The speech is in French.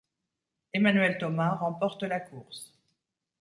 Emmanuel Thoma remporte la course.